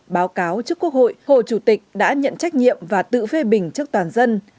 báo cáo trước quốc hội hồ chủ tịch đã nhận trách nhiệm và tự phê bình trước toàn dân